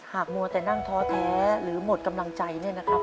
มัวแต่นั่งท้อแท้หรือหมดกำลังใจเนี่ยนะครับ